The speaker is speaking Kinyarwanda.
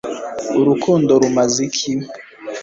urukundo rumaze iki